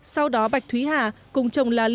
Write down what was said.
sau đó bạch thúy hà cùng chồng lê hoàng khóc vũ